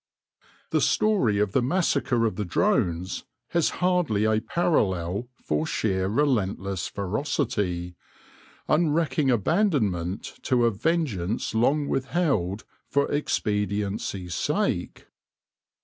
The story of the massacre of the drones has hardly a parallel for sheer relentless ferocity — unrecking abandonment to a vengeance long withheld for ex pediency^ sake.